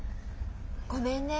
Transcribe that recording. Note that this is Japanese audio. ごめんね。